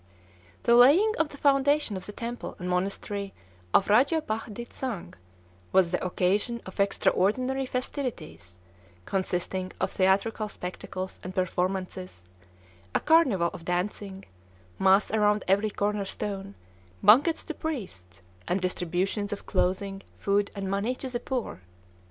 The laying of the foundation of the temple and monastery of Rajah Bah dit Sang was the occasion of extraordinary festivities, consisting of theatrical spectacles and performances, a carnival of dancing, mass around every corner stone, banquets to priests, and distributions of clothing, food, and money to the poor.